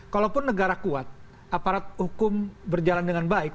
kalaupun negara kuat aparat hukum berjalan dengan baik